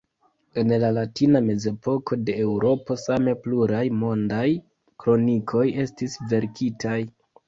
En la latina mezepoko de Eŭropo same pluraj mondaj kronikoj estis verkitaj.